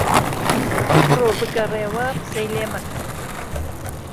بڕۆ بگهڕيوه قسەی لێ مهکه